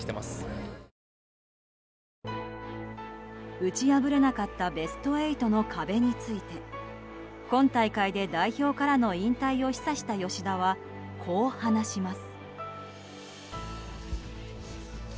打ち破れなかったベスト８の壁について今大会で代表からの引退を示唆した吉田はこう話します。